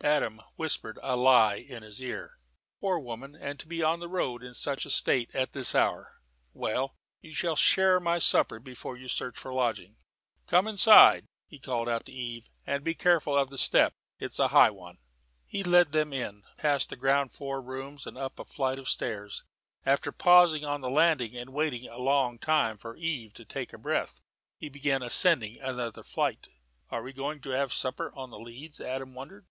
Adam whispered a lie in his ear. "Poor woman, and to be on the road, in such a state, at this hour! Well, you shall share my supper before you search for a lodging. Come inside," he called out to Eve, "and be careful of the step. It's a high one." He led them in, past the ground floor rooms and up a flight of stairs. After pausing on the landing and waiting a long time for Eve to take breath, he began to ascend another flight. "Are we going to have supper on the leads?" Adam wondered.